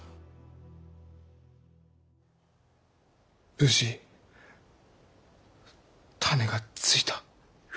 無事種がついた。